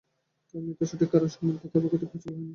তবে মৃত্যুর সঠিক কারণ সম্বন্ধে তাদের পক্ষ থেকে কিছু বলা হয়নি।